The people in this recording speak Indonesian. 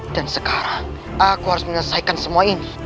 dan sekarang aku harus menyelesaikan semua ini